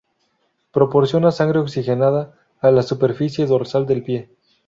Proporciona sangre oxigenada a la superficie dorsal del pie.